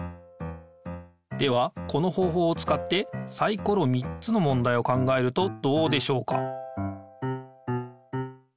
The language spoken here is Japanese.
ではこの方ほうをつかってサイコロ３つのもんだいを考えるとどうでしょうか？